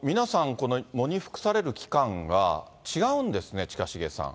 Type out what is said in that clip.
この喪に服される期間が違うんですね、近重さん。